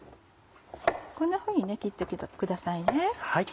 こんなふうに切ってくださいね。